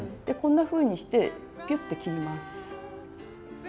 こんなふうにしてピュッて切ります。